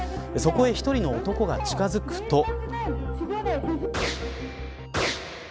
そこへ１人の男が近づくと。